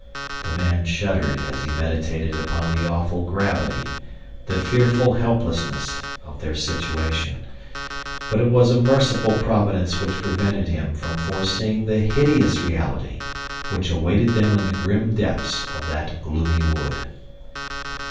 The man shuddered as he meditated upon the awful gravity, the fearful helplessness, of their situation. But it was a merciful Providence which prevented him from foreseeing the hideous reality which awaited them in the grim depths of that gloomy wood.